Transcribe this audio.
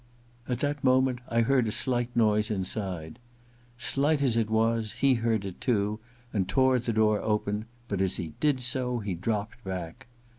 At that moment I heard a slight noise inside. Slight as it was, he heard it too, and tore the door open ; but as he did so he dropped back.